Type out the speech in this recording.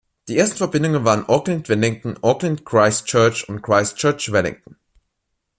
Die ersten Verbindungen waren Auckland–Wellington, Auckland–Christchurch und Christchurch–Wellington.